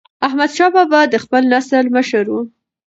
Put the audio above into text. احمدشاه بابا د خپل نسل مشر و.